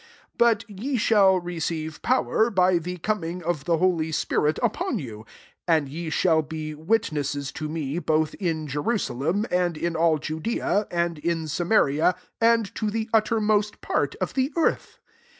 8 But ye shall receive power, by the eaming of the holy spirit upon you : and ye shall be witnesses to me, both in Jerusalem, and in all Judea, and in Samaria, 2iXkd to the uttermost part of the earth.''